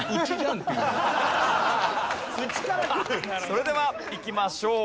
それではいきましょう。